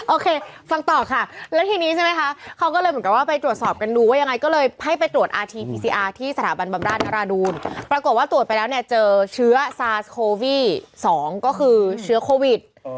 โอเคฟังต่อค่ะแล้วทีนี้ใช่ไหมคะเขาก็เลยเหมือนกันว่าไปตรวจสอบกันดูว่ายังไง